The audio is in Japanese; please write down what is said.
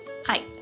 はい。